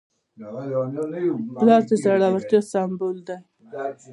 پلار د زړورتیا سمبول دی.